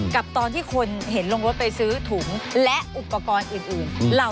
กับตอนที่คนเห็นลงรถไปซื้อถุงและอุปกรณ์อื่น